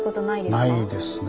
ないですね。